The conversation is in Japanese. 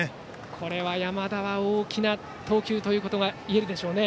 これは、山田は大きな投球ということがいえるでしょうね